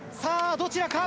どちらか？